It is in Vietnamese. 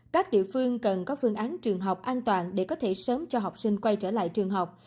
các địa phương cần có phương án trường học an toàn để có thể sớm cho học sinh quay trở lại trường học